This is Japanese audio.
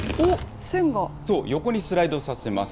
横にスライドさせます。